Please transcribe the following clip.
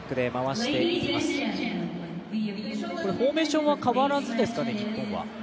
フォーメーションは変わらずですかね、日本は。